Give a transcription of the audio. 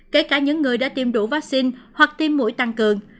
kể cả những người đã tiêm đủ vaccine hoặc tiêm mũi tăng cường